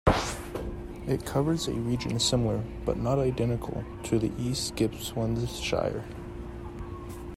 It covers a region similar, but not identical to the East Gippsland Shire.